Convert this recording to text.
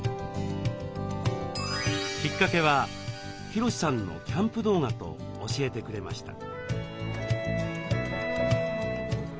きっかけはヒロシさんのキャンプ動画と教えてくれました。